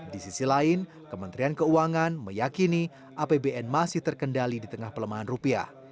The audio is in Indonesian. di sisi lain kementerian keuangan meyakini apbn masih terkendali di tengah pelemahan rupiah